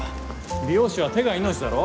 美容師は手が命だろ？